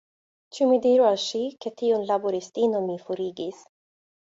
Ĉu mi diru al ŝi, ke tiun laboristinon mi forigis?